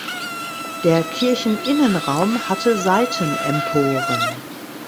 Der Kircheninnenraum hatte Seitenemporen.